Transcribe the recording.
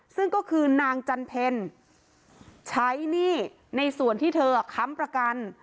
ซึ่งก็คือนางจันเพลใช้หนี้ในส่วนที่เธอค้ำประกัน